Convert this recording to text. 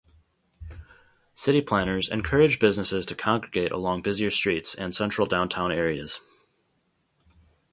City planners encourage businesses to congregate along busier streets and central downtown areas.